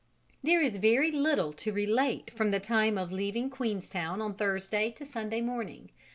There is very little to relate from the time of leaving Queenstown on Thursday to Sunday morning.